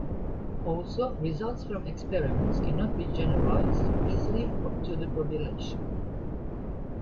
Also, results from experiments cannot be generalized easily to the population.